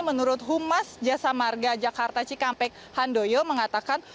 menurut humas jasa marga jakarta cikampek handoyo mengatakan